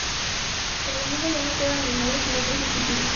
En el mundo ya no quedan animales y no crecen cultivos.